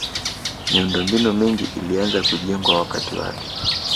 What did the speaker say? miundombinu mingi ilianza kujengwa wakati wake